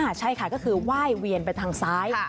ใช่ค่ะก็คือไหว้เวียนไปทางซ้าย